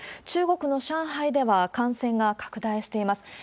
中国の上海では感染が拡大しています。